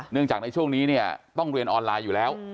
เนื่องจากในช่วงนี้ต้องเรียนออนไลน์อยู่แล้ว